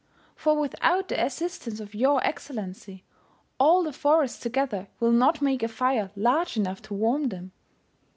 For without the assistance of your Excellency, all the forests together will not make a fire large enough to warm them.